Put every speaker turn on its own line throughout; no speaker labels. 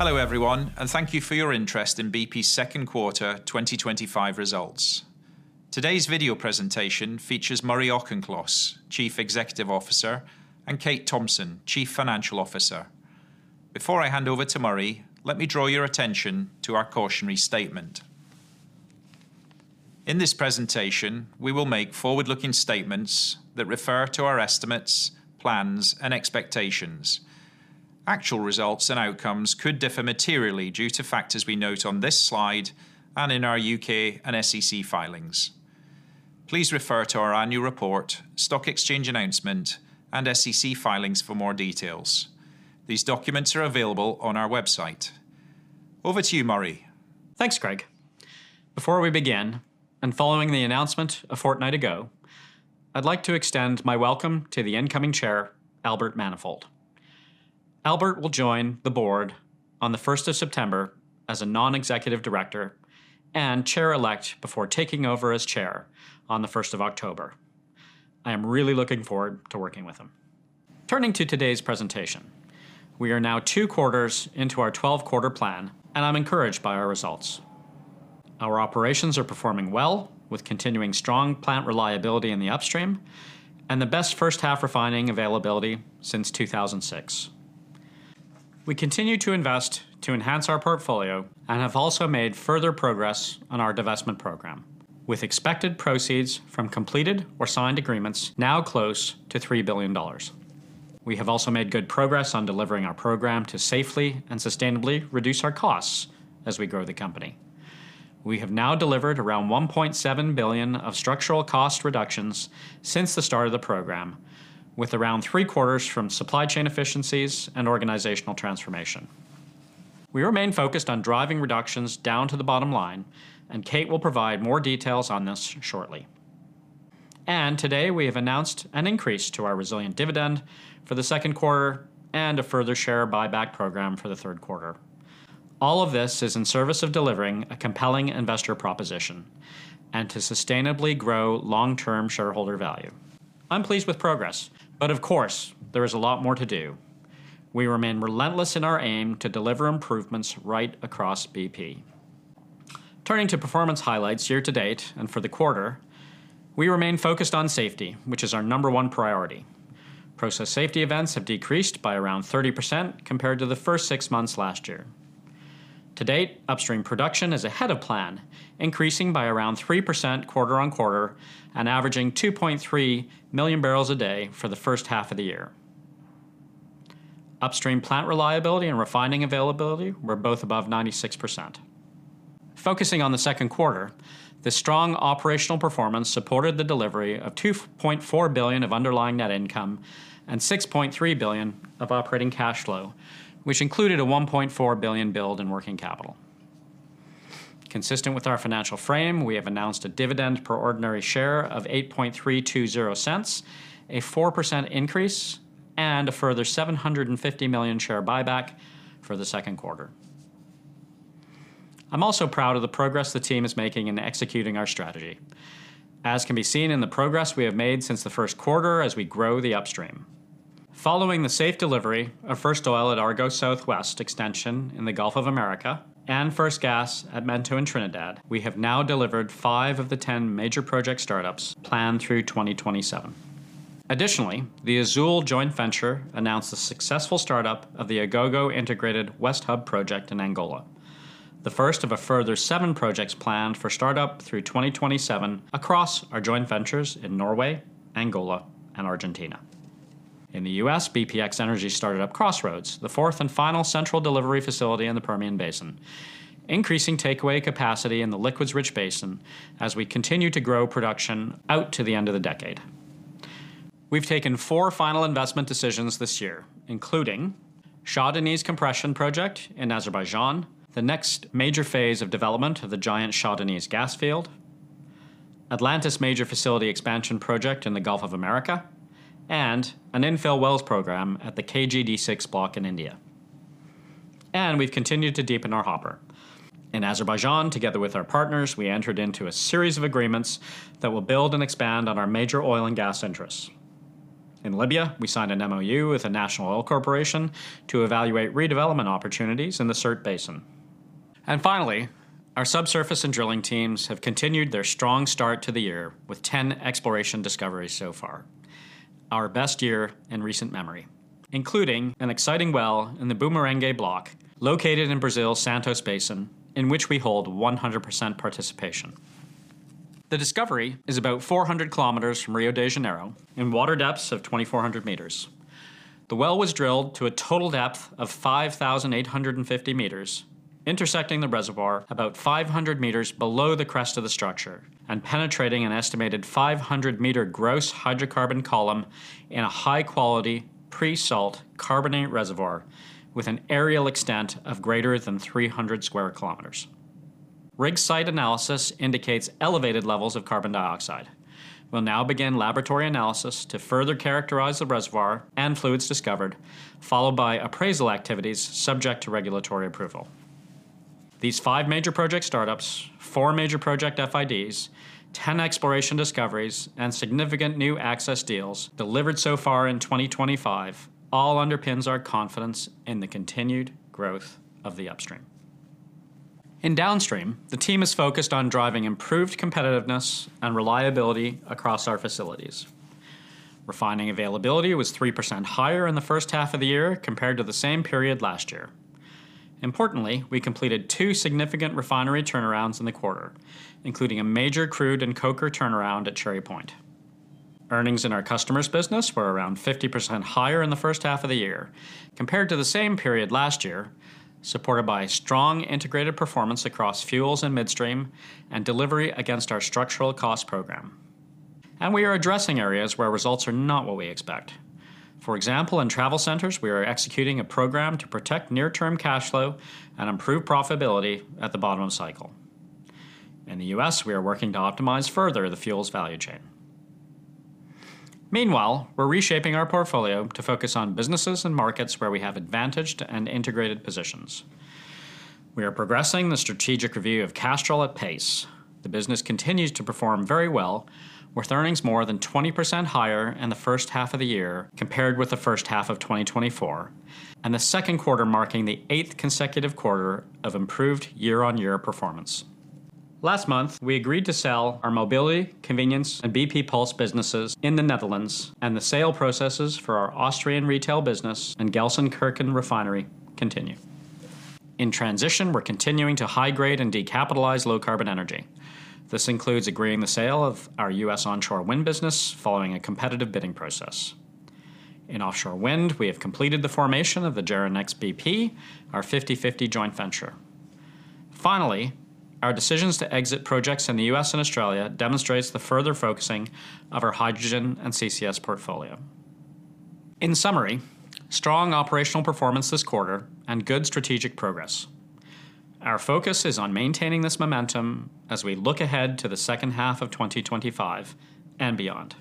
Hello everyone, and thank you for your interest in BP's second quarter 2025 results. Today's video presentation features Murray Auchincloss, Chief Executive Officer, and Kate Thomson, Chief Financial Officer. Before I hand over to Murray, let me draw your attention to our cautionary statement. In this presentation, we will make forward-looking statements that refer to our estimates, plans, and expectations. Actual results and outcomes could differ materially due to factors we note on this slide and in our U.K. and SEC filings. Please refer to our annual report, stock exchange announcement, and SEC filings for more details. These documents are available on our website. Over to you, Murray.
Thanks, Craig. Before we begin, and following the announcement a fortnight ago, I'd like to extend my welcome to the incoming Chair, Albert Manifold. Albert will join the board on the 1st of September as a Non-Executive Director and Chair-elect before taking over as Chair on the 1st of October. I am really looking forward to working with him. Turning to today's presentation, we are now two quarters into our 12-quarter plan, and I'm encouraged by our results. Our operations are performing well, with continuing strong plant reliability in the upstream and the best first-half refining availability since 2006. We continue to invest to enhance our portfolio and have also made further progress on our divestment program, with expected proceeds from completed or signed agreements now close to $3 billion. We have also made good progress on delivering our program to safely and sustainably reduce our costs as we grow the company. We have now delivered around $1.7 billion of structural cost reductions since the start of the program, with around three quarters from supply chain efficiencies and organizational transformation. We remain focused on driving reductions down to the bottom line, and Kate will provide more details on this shortly. Today, we have announced an increase to our resilient dividend for the second quarter and a further share buyback program for the third quarter. All of this is in service of delivering a compelling investor proposition and to sustainably grow long-term shareholder value. I'm pleased with progress, but of course, there is a lot more to do. We remain relentless in our aim to deliver improvements right across BP. Turning to performance highlights year to date and for the quarter, we remain focused on safety, which is our number one priority. Process safety events have decreased by around 30% compared to the first six months last year. To date, upstream production is ahead of plan, increasing by around 3% quarter on quarter and averaging 2.3 million bbl a day for the first half of the year. Upstream plant reliability and refining availability were both above 96%. Focusing on the second quarter, the strong operational performance supported the delivery of $2.4 billion of underlying net income and $6.3 billion of operating cash flow, which included a $1.4 billion build in working capital. Consistent with our financial frame, we have announced a dividend per ordinary share of $0.8320, a 4% increase, and a further $750 million share buyback for the second quarter. I'm also proud of the progress the team is making in executing our strategy, as can be seen in the progress we have made since the first quarter as we grow the upstream. Following the safe delivery of First Oil at Argos Southwest Extension in the Gulf of Mexico and First Gas at Mento in Trinidad, we have now delivered five of the ten major project startups planned through 2027. Additionally, the Azule joint venture announced a successful startup of the Agogo Integrated West Hub project in Angola, the first of a further seven projects planned for startup through 2027 across our joint ventures in Norway, Angola, and Argentina. In the U.S., bpx energy started up Crossroads, the fourth and final central delivery facility in the Permian Basin, increasing takeaway capacity in the liquids-rich basin as we continue to grow production out to the end of the decade. We've taken four final investment decisions this year, including the Shah Deniz Compression Project in Azerbaijan, the next major phase of development of the giant Shah Deniz gas field, the Atlantis Major Facility Expansion Project in the Gulf of Mexico, and an infill wells program at the KG D6 block in India. We've continued to deepen our hopper. In Azerbaijan, together with our partners, we entered into a series of agreements that will build and expand on our major oil and gas interests. In Libya, we signed an MoU with the National Oil Corporation to evaluate redevelopment opportunities in the Sirte Basin. Finally, our subsurface and drilling teams have continued their strong start to the year with 10 exploration discoveries so far. Our best year in recent memory, including an exciting well in the Bumerangue block located in Brazil's Santos Basin, in which we hold 100% participation. The discovery is about 400 km from Rio de Janeiro in water depths of 2,400 m. The well was drilled to a total depth of 5,850 m, intersecting the reservoir about 500 m below the crest of the structure and penetrating an estimated 500-m gross hydrocarbon column in a high-quality pre-salt carbonate reservoir with an aerial extent of greater than 300 sq km. Rig-site analysis indicates elevated levels of carbon dioxide. We'll now begin laboratory analysis to further characterize the reservoir and fluids discovered, followed by appraisal activities subject to regulatory approval. These five major project startups, four major project FIDs, 10 exploration discoveries, and significant new access deals delivered so far in 2025 all underpin our confidence in the continued growth of the upstream. In downstream, the team is focused on driving improved competitiveness and reliability across our facilities. Refining availability was 3% higher in the first half of the year compared to the same period last year. Importantly, we completed two significant refinery turnarounds in the quarter, including a major crude and coker turnaround at Cherry Point. Earnings in our customers' business were around 50% higher in the first half of the year compared to the same period last year, supported by strong integrated performance across fuels and midstream and delivery against our structural cost program. We are addressing areas where results are not what we expect. For example, in travel centers, we are executing a program to protect near-term cash flow and improve profitability at the bottom of the cycle. In the U.S., we are working to optimize further the fuel's value chain. Meanwhile, we're reshaping our portfolio to focus on businesses and markets where we have advantaged and integrated positions. We are progressing the strategic review of Castrol at pace. The business continues to perform very well, with earnings more than 20% higher in the first half of the year compared with the first half of 2024, and the second quarter marking the eighth consecutive quarter of improved year-on-year performance. Last month, we agreed to sell our mobility, convenience, and BP Pulse businesses in the Netherlands, and the sale processes for our Austrian retail business and Gelsenkirchen refinery continue. In transition, we're continuing to high-grade and decapitalize low-carbon energy. This includes agreeing the sale of our U.S. onshore wind business following a competitive bidding process. In offshore wind, we have completed the formation of the JERA BP, our 50/50 joint venture. Finally, our decisions to exit projects in the U.S. and Australia demonstrate the further focusing of our hydrogen and CCS portfolio. In summary, strong operational performance this quarter and good strategic progress. Our focus is on maintaining this momentum as we look ahead to the second half of 2025 and beyond.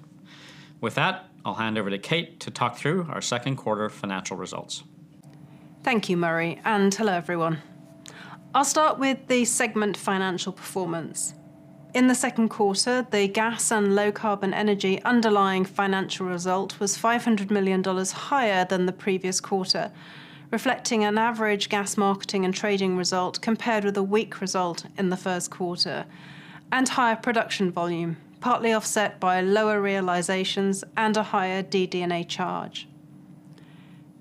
With that, I'll hand over to Kate to talk through our second quarter financial results.
Thank you, Murray, and hello everyone. I'll start with the segment financial performance. In the second quarter, the gas and low-carbon energy underlying financial result was $500 million higher than the previous quarter, reflecting an average gas marketing and trading result compared with a weak result in the first quarter and higher production volume, partly offset by lower realizations and a higher DD&A charge.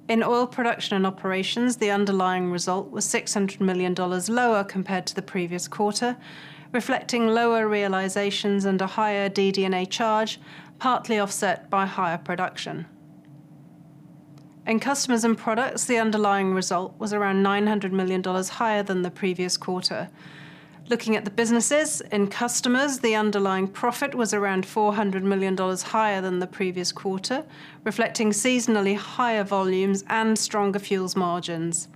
In oil production and operations, the underlying result was $600 million lower compared to the previous quarter, reflecting lower realizations and a higher DD&A charge, partly offset by higher production. In customers and products, the underlying result was around $900 million higher than the previous quarter. Looking at the businesses, in customers, the underlying profit was around $400 million higher than the previous quarter, reflecting seasonally higher volumes and stronger fuels margins.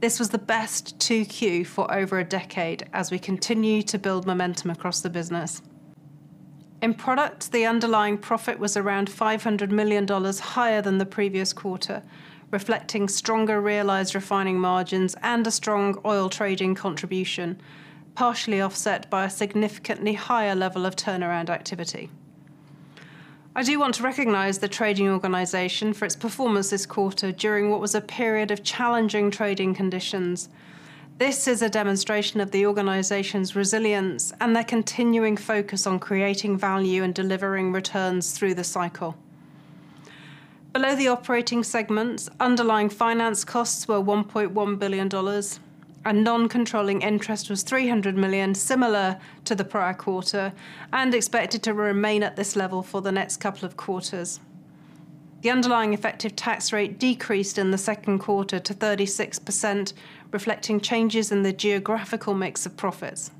This was the best Q2 for over a decade as we continue to build momentum across the business. In product, the underlying profit was around $500 million higher than the previous quarter, reflecting stronger realized refining margins and a strong oil trading contribution, partially offset by a significantly higher level of turnaround activity. I do want to recognize the trading organization for its performance this quarter during what was a period of challenging trading conditions. This is a demonstration of the organization's resilience and their continuing focus on creating value and delivering returns through the cycle. Below the operating segments, underlying finance costs were $1.1 billion, and non-controlling interest was $300 million, similar to the prior quarter, and expected to remain at this level for the next couple of quarters. The underlying effective tax rate decreased in the second quarter to 36%, reflecting changes in the geographical mix of profits.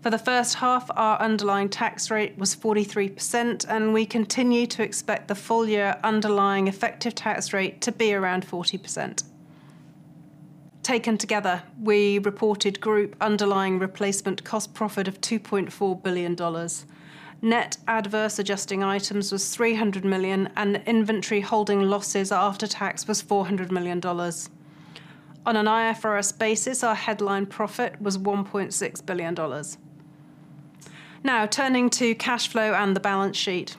For the first half, our underlying tax rate was 43%, and we continue to expect the full year underlying effective tax rate to be around 40%. Taken together, we reported group underlying replacement cost profit of $2.4 billion. Net adverse adjusting items was $300 million, and the inventory holding losses after tax was $400 million. On an IFRS basis, our headline profit was $1.6 billion. Now, turning to cash flow and the balance sheet,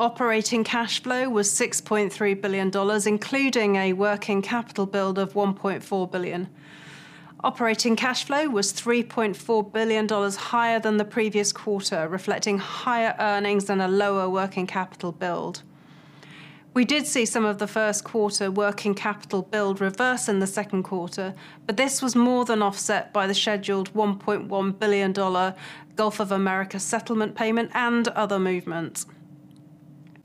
operating cash flow was $6.3 billion, including a working capital build of $1.4 billion. Operating cash flow was $3.4 billion higher than the previous quarter, reflecting higher earnings and a lower working capital build. We did see some of the first quarter working capital build reverse in the second quarter, but this was more than offset by the scheduled $1.1 billion Gulf of America settlement payment and other movements.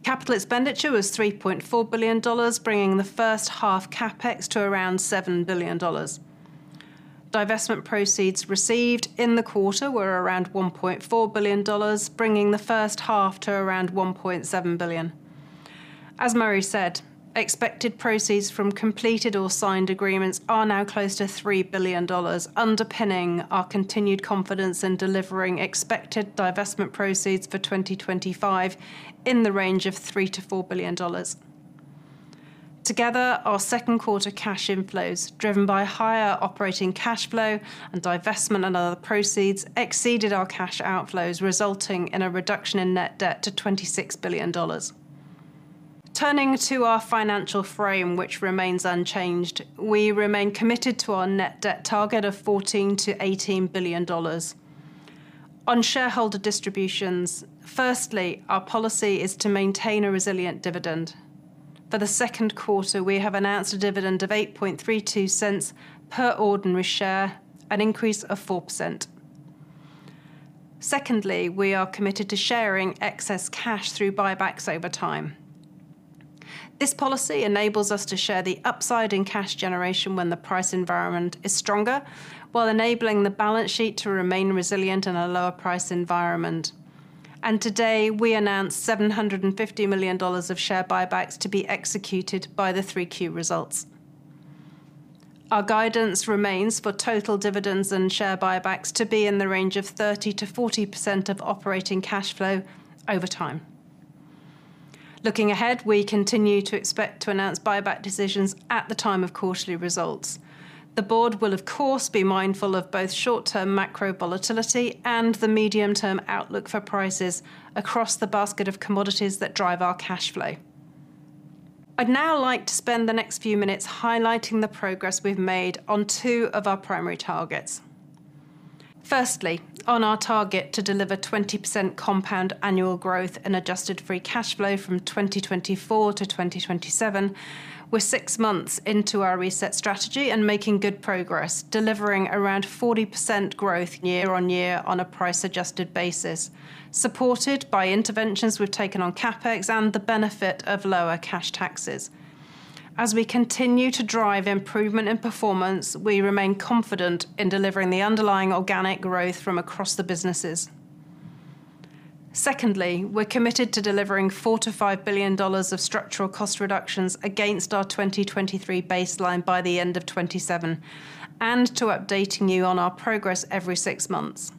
Capital expenditure was $3.4 billion, bringing the first half CapEx to around $7 billion. Divestment proceeds received in the quarter were around $1.4 billion, bringing the first half to around $1.7 billion. As Murray said, expected proceeds from completed or signed agreements are now close to $3 billion, underpinning our continued confidence in delivering expected divestment proceeds for 2025 in the range of $3 billion-$4 billion. Together, our second quarter cash inflows, driven by higher operating cash flow and divestment and other proceeds, exceeded our cash outflows, resulting in a reduction in net debt to $26 billion. Turning to our financial frame, which remains unchanged, we remain committed to our net debt target of $14 billion-$18 billion. On shareholder distributions, firstly, our policy is to maintain a resilient dividend. For the second quarter, we have announced a dividend of $0.832 per ordinary share, an increase of 4%. We are committed to sharing excess cash through buybacks over time. This policy enables us to share the upside in cash generation when the price environment is stronger, while enabling the balance sheet to remain resilient in a lower price environment. Today, we announce $750 million of share buybacks to be executed by the 3Q results. Our guidance remains for total dividends and share buybacks to be in the range of 30%-40% of operating cash flow over time. Looking ahead, we continue to expect to announce buyback decisions at the time of quarterly results. The board will, of course, be mindful of both short-term macro volatility and the medium-term outlook for prices across the basket of commodities that drive our cash flow. I'd now like to spend the next few minutes highlighting the progress we've made on two of our primary targets. Firstly, on our target to deliver 20% compound annual growth in adjusted free cash flow from 2024 to 2027, we're six months into our reset strategy and making good progress, delivering around 40% growth year-on-year on a price-adjusted basis, supported by interventions we've taken on CapEx and the benefit of lower cash taxes. As we continue to drive improvement in performance, we remain confident in delivering the underlying organic growth from across the businesses. Secondly, we're committed to delivering $4 billion-$5 billion of structural cost reductions against our 2023 baseline by the end of 2027 and to update you on our progress every six months.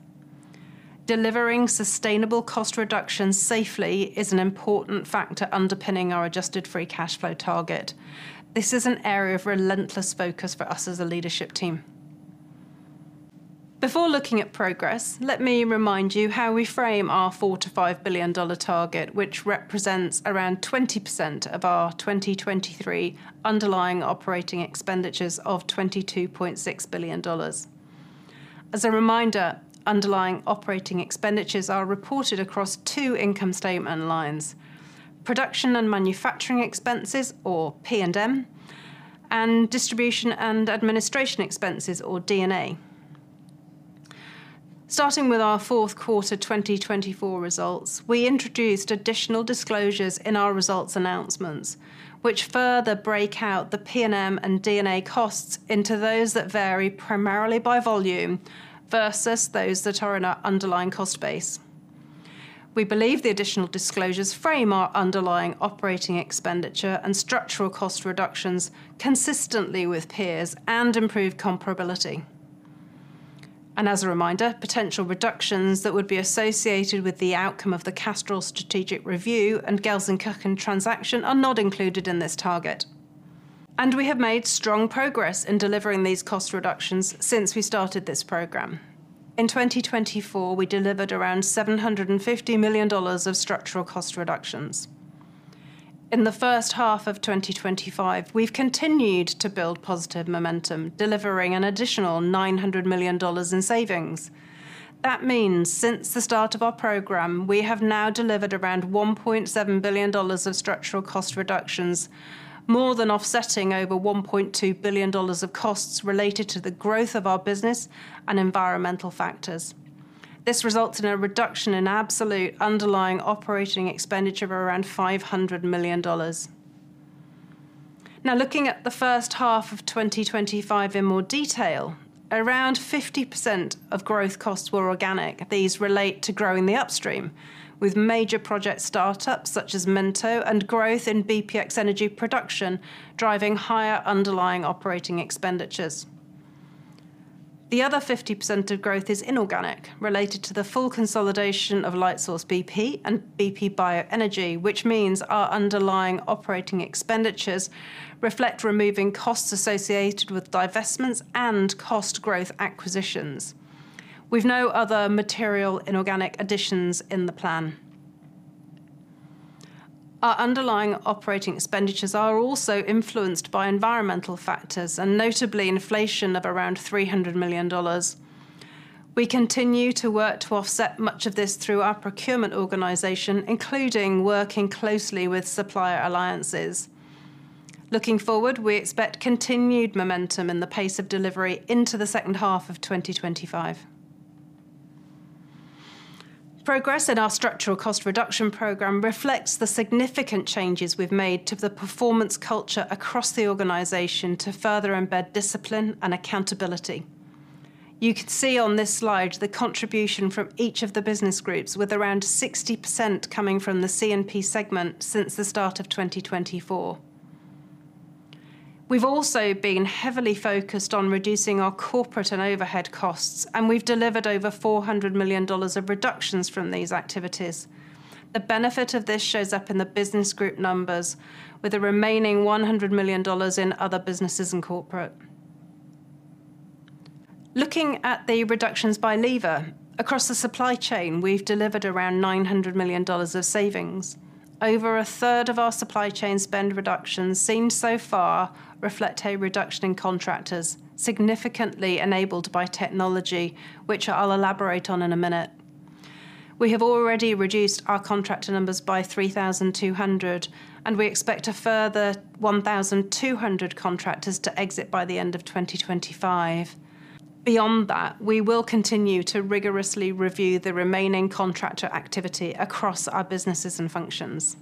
Delivering sustainable cost reductions safely is an important factor underpinning our adjusted free cash flow target. This is an area of relentless focus for us as a leadership team. Before looking at progress, let me remind you how we frame our $4 billion-$5 billion target, which represents around 20% of our 2023 underlying operating expenditures of $22.6 billion. As a reminder, underlying operating expenditures are reported across two income statement lines: production and manufacturing expenses, or P&M, and distribution and administration expenses, or D&A. Starting with our fourth quarter 2024 results, we introduced additional disclosures in our results announcements, which further break out the P&M and D&A costs into those that vary primarily by volume versus those that are in our underlying cost base. We believe the additional disclosures frame our underlying operating expenditure and structural cost reductions consistently with peers and improve comparability. As a reminder, potential reductions that would be associated with the outcome of the Castrol strategic review and Gelsenkirchen transaction are not included in this target. We have made strong progress in delivering these cost reductions since we started this program. In 2024, we delivered around $750 million of structural cost reductions. In the first half of 2025, we've continued to build positive momentum, delivering an additional $900 million in savings. That means since the start of our program, we have now delivered around $1.7 billion of structural cost reductions, more than offsetting over $1.2 billion of costs related to the growth of our business and environmental factors. This results in a reduction in absolute underlying operating expenditure of around $500 million. Now, looking at the first half of 2025 in more detail, around 50% of growth costs were organic. These relate to growing the upstream, with major project start-ups such as Mento and growth in BPX Energy production driving higher underlying operating expenditures. The other 50% of growth is inorganic, related to the full consolidation of Lightsource bp and bp bioenergy, which means our underlying operating expenditures reflect removing costs associated with divestments and cost growth acquisitions. We've no other material inorganic additions in the plan. Our underlying operating expenditures are also influenced by environmental factors, and notably inflation of around $300 million. We continue to work to offset much of this through our procurement organization, including working closely with supplier alliances. Looking forward, we expect continued momentum in the pace of delivery into the second half of 2025. Progress in our structural cost reduction program reflects the significant changes we've made to the performance culture across the organization to further embed discipline and accountability. You can see on this slide the contribution from each of the business groups, with around 60% coming from the C&P segment since the start of 2024. We've also been heavily focused on reducing our corporate and overhead costs, and we've delivered over $400 million of reductions from these activities. The benefit of this shows up in the business group numbers, with a remaining $100 million in other businesses and corporate. Looking at the reductions by lever, across the supply chain, we've delivered around $900 million of savings. Over a third of our supply chain spend reductions seen so far reflect a reduction in contractors, significantly enabled by technology, which I'll elaborate on in a minute. We have already reduced our contractor numbers by 3,200, and we expect a further 1,200 contractors to exit by the end of 2025. Beyond that, we will continue to rigorously review the remaining contractor activity across our businesses and functions.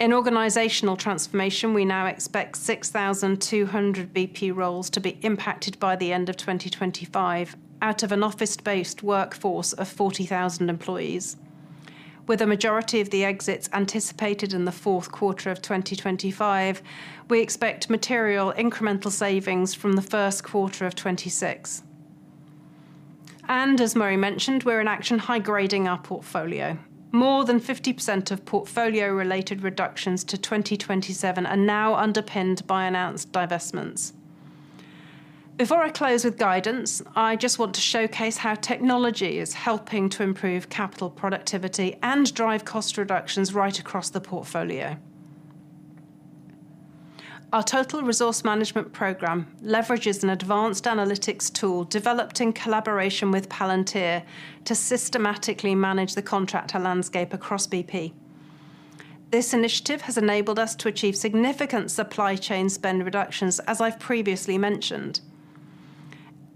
In organizational transformation, we now expect 6,200 BP roles to be impacted by the end of 2025 out of an office-based workforce of 40,000 employees. With a majority of the exits anticipated in the fourth quarter of 2025, we expect material incremental savings from the first quarter of 2026. As Murray mentioned, we're in action high-grading our portfolio. More than 50% of portfolio-related reductions to 2027 are now underpinned by announced divestments. Before I close with guidance, I just want to showcase how technology is helping to improve capital productivity and drive cost reductions right across the portfolio. Our total resource management program leverages an advanced analytics tool developed in collaboration with Palantir to systematically manage the contractor landscape across BP. This initiative has enabled us to achieve significant supply chain spend reductions, as I've previously mentioned.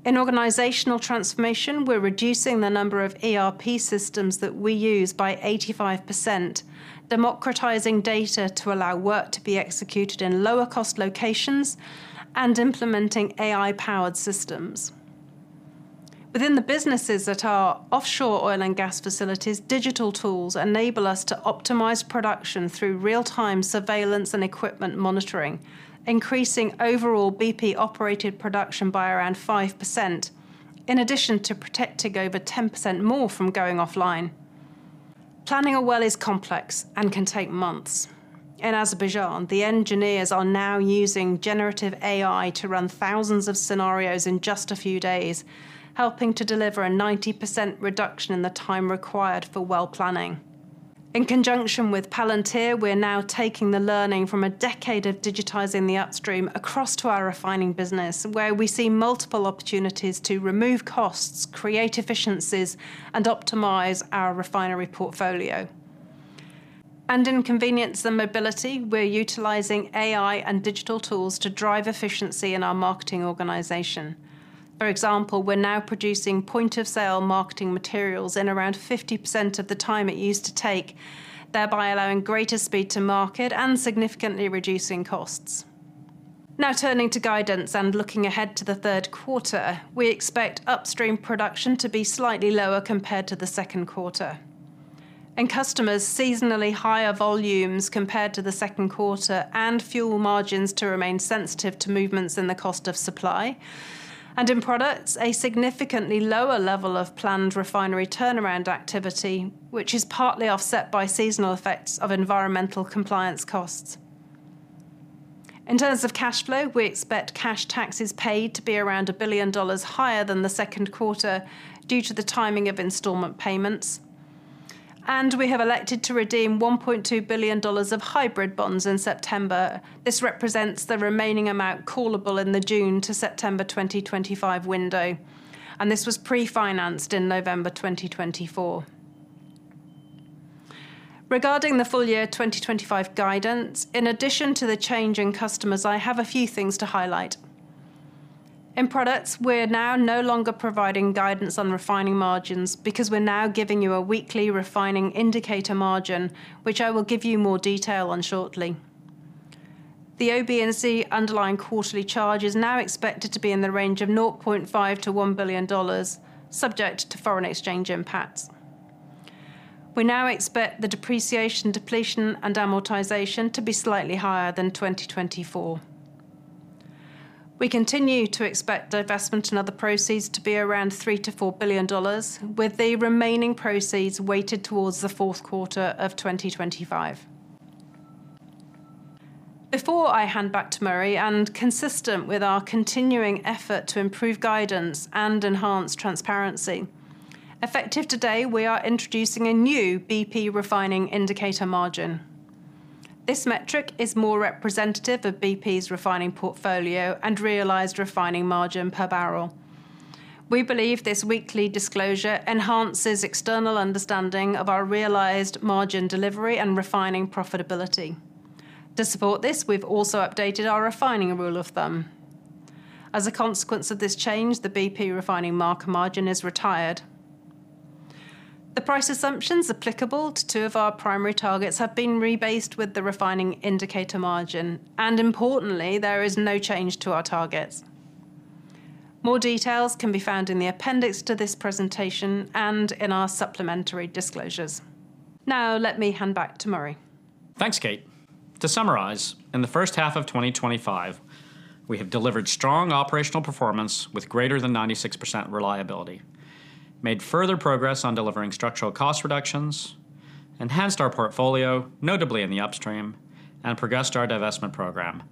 In organizational transformation, we're reducing the number of ERP systems that we use by 85%, democratizing data to allow work to be executed in lower-cost locations, and implementing AI-powered systems. Within the businesses at our offshore oil and gas facilities, digital tools enable us to optimize production through real-time surveillance and equipment monitoring, increasing overall BP-operated production by around 5%, in addition to protecting over 10% more from going offline. Planning a well is complex and can take months. In Azerbaijan, the engineers are now using generative AI to run thousands of scenarios in just a few days, helping to deliver a 90% reduction in the time required for well planning. In conjunction with Palantir, we're now taking the learning from a decade of digitizing the upstream across to our refining business, where we see multiple opportunities to remove costs, create efficiencies, and optimize our refinery portfolio. In convenience and mobility, we're utilizing AI and digital tools to drive efficiency in our marketing organization. For example, we're now producing point-of-sale marketing materials in around 50% of the time it used to take, thereby allowing greater speed to market and significantly reducing costs. Now, turning to guidance and looking ahead to the third quarter, we expect upstream production to be slightly lower compared to the second quarter. In customers, seasonally higher volumes compared to the second quarter and fuel margins to remain sensitive to movements in the cost of supply. In products, a significantly lower level of planned refinery turnaround activity, which is partly offset by seasonal effects of environmental compliance costs. In terms of cash flow, we expect cash taxes paid to be around $1 billion higher than the second quarter due to the timing of installment payments. We have elected to redeem $1.2 billion of hybrid bonds in September. This represents the remaining amount callable in the June to September 2025 window, and this was pre-financed in November 2024. Regarding the full year 2025 guidance, in addition to the change in customers, I have a few things to highlight. In products, we're now no longer providing guidance on refining margins because we're now giving you a weekly refining indicator margin, which I will give you more detail on shortly. The OBS underlying quarterly charge is now expected to be in the range of $0.5 billion-$1 billion, subject to foreign exchange impacts. We now expect the depreciation, depletion, and amortization to be slightly higher than 2024. We continue to expect divestment and other proceeds to be around $3 billion-$4 billion, with the remaining proceeds weighted towards the fourth quarter of 2025. Before I hand back to Murray, and consistent with our continuing effort to improve guidance and enhance transparency, effective today, we are introducing a new BP refining indicator margin. This metric is more representative of BP's refining portfolio and realized refining margin per barrel. We believe this weekly disclosure enhances external understanding of our realized margin delivery and refining profitability. To support this, we've also updated our refining rule of thumb. As a consequence of this change, the BP refining market margin is retired. The price assumptions applicable to two of our primary targets have been rebased with the refining indicator margin, and importantly, there is no change to our targets. More details can be found in the appendix to this presentation and in our supplementary disclosures. Now, let me hand back to Murray.
Thanks, Kate. To summarize, in the first half of 2025, we have delivered strong operational performance with greater than 96% reliability, made further progress on delivering structural cost reductions, enhanced our portfolio, notably in the upstream, progressed our divestment program,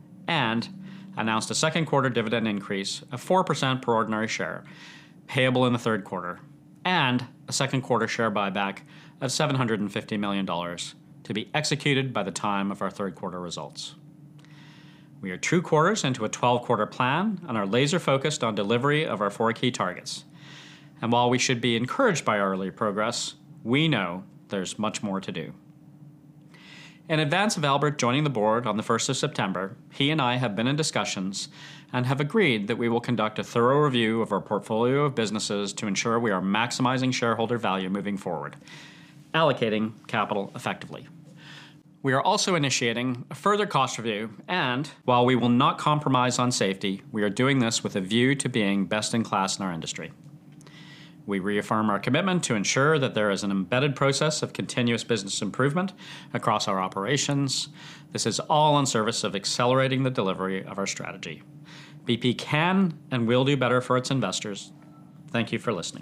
announced a second quarter dividend increase of 4% per ordinary share, payable in the third quarter, and a second quarter share buyback of $750 million to be executed by the time of our third quarter results. We are two quarters into a 12-quarter plan and are laser-focused on delivery of our four key targets. While we should be encouraged by our early progress, we know there's much more to do. In advance of Albert joining the board on the 1st of September, he and I have been in discussions and have agreed that we will conduct a thorough review of our portfolio of businesses to ensure we are maximizing shareholder value moving forward, allocating capital effectively. We are also initiating a further cost review, and while we will not compromise on safety, we are doing this with a view to being best in class in our industry. We reaffirm our commitment to ensure that there is an embedded process of continuous business improvement across our operations. This is all in service of accelerating the delivery of our strategy. BP can and will do better for its investors. Thank you for listening.